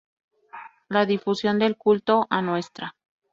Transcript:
La difusión del culto a Ntra.